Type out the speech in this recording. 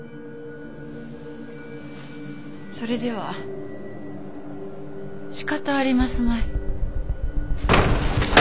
それではしかたありますまい。